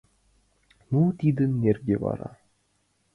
Ну, тидын нерген вара.